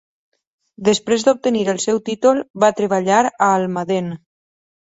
Després d'obtenir el seu títol va treballar a Almadén.